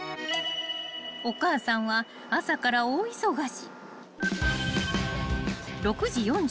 ［お母さんは朝から大忙し］